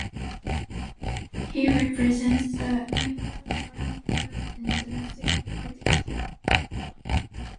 He represents the Nepal Army Club in domestic cricket.